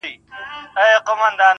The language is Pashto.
دغه د اور ځنځير ناځوانه ځنځير.